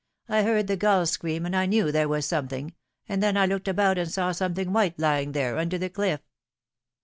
" I heard the gulls scream, and I knew there was something. And then I looked about and saw some thing white lying there, under the cliff."